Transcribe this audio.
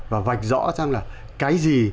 và vạch rõ ra là cái gì